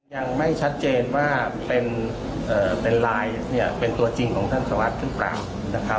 ยังไม่ชัดเจนว่าเป็นลายเป็นตัวจริงของท่านสรวจหรือเปล่า